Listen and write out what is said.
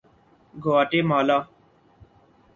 گواٹے مالا